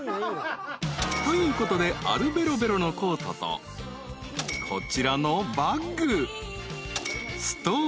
［ということでアルベロベロのコートとこちらのバッグ］